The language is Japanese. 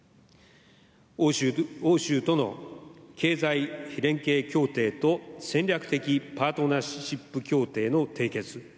欧州との経済連携協定と戦略的パートナーシップ協定の締結。